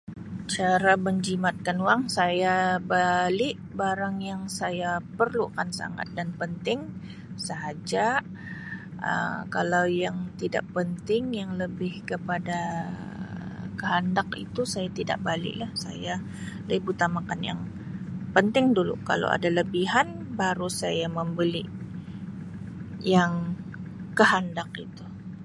Cara menjimatkan wang, saya bali barang yang saya perlukan sangat dan penting sahaja Um kalau yang tidak penting yang lebih kepada Um kahandak itu saya tidak beli lah saya lebih utamakan yang penting dulu. Kalau ada lebihan baru saya membeli yang kahandak itu.